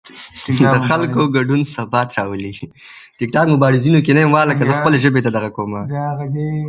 د خلکو ګډون ثبات راولي